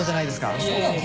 そうなの？